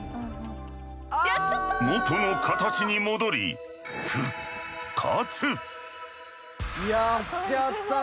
元の形に戻り復活！